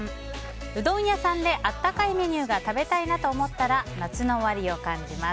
うどん屋さんで温かいメニューが食べたいなと思ったら夏の終わりを感じます。